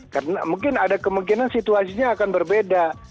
karena mungkin ada kemungkinan situasinya akan berbeda